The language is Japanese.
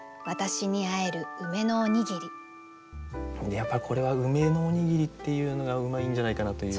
やっぱりこれは「梅のおにぎり」っていうのがうまいんじゃないかなという。